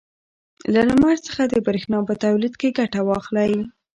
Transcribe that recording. له لمر څخه د برېښنا په تولید کې ګټه واخلئ.